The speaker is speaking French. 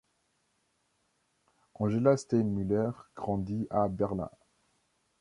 Angela Steinmüller grandit à Berlin.